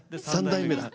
３代目だ。